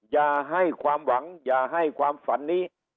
อย่าให้ความหวังอย่าให้ความฝันนี้